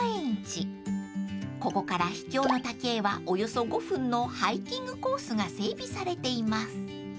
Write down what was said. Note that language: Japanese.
［ここから秘境の滝へはおよそ５分のハイキングコースが整備されています］